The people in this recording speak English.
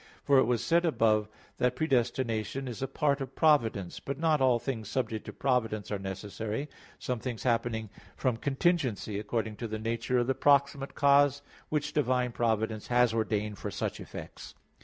For it was said above (A. 1), that predestination is a part of providence. But not all things subject to providence are necessary; some things happening from contingency, according to the nature of the proximate causes, which divine providence has ordained for such effects.